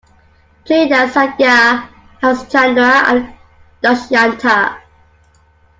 In Brahmarshi Viswamitra, directed by his father, he played as Satya Harischandra and Dushyanta.